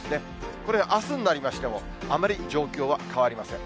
これ、あすになりましても、あまり状況は変わりません。